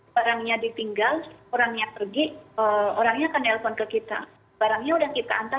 barangnya ditinggal orangnya pergi orangnya akan telepon ke kita barangnya udah kita antar